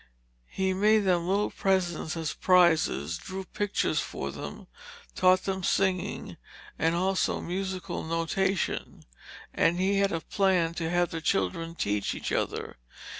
He made them little presents as prizes; drew pictures for them; taught them singing and also musical notation; and he had a plan to have the children teach each other.